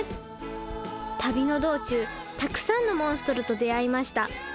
旅の道中たくさんのモンストロと出会いました。